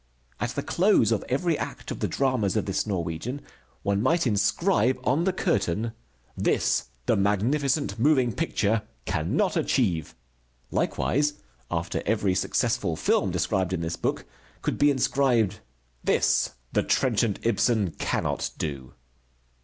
At the close of every act of the dramas of this Norwegian one might inscribe on the curtain "This the magnificent moving picture cannot achieve." Likewise after every successful film described in this book could be inscribed "This the trenchant Ibsen cannot do."